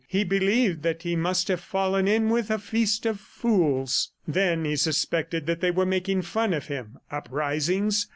He believed that he must have fallen in with a feast of fools. Then he suspected that they were making fun of him. Uprisings?